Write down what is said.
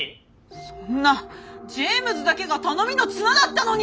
そんなジェームズだけが頼みの綱だったのに！